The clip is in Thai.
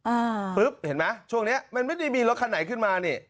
อ่าปุ๊บเห็นไหมช่วงเนี้ยมันไม่ได้มีรถคันไหนขึ้นมานี่